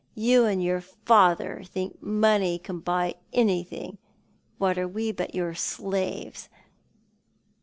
You and your father think money can buy anytliing. What are we but your slaves?